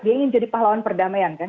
dia ingin jadi pahlawan perdamaian kan